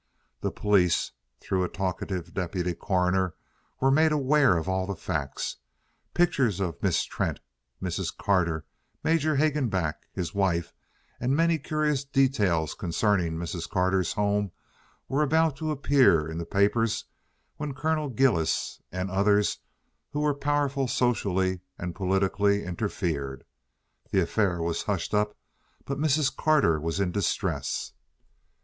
The police, through a talkative deputy coroner, were made aware of all the facts. Pictures of Miss Trent, Mrs. Carter, Major Hagenback, his wife, and many curious details concerning Mrs. Carter's home were about to appear in the papers when Colonel Gillis and others who were powerful socially and politically interfered; the affair was hushed up, but Mrs. Carter was in distress.